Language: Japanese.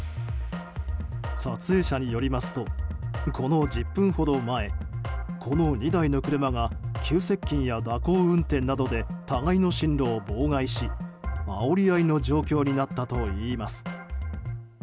撮影者によりますとこの１０分ほど前この２台の車が急接近や蛇行運転などで互いの進路を妨害しあおり合いの状況になったといいます。